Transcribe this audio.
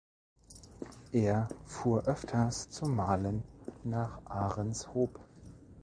Er fuhr öfters zum Malen nach Ahrenshoop.